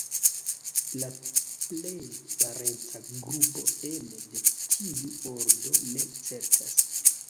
La plej parenca grupo ene de tiu ordo, ne certas.